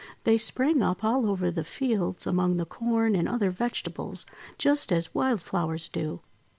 They sprang up all over the fields among the Corn and other vege tables, just as wild flowers do.